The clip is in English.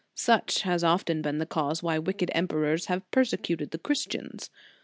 Such has often been the cause why wicked emperors have persecuted the Christians.